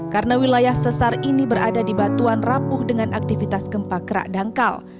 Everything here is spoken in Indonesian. karena wilayah sesar ini berada di batuan rapuh dengan aktivitas gempa kerak dangkal